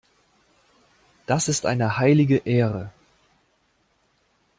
Das ist eine heilige Ehre.